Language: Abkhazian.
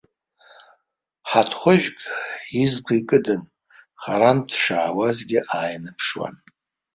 Ҳаҭхәыжәк изқәа икыдын, харантә дшаауазгьы ааиныԥшуан.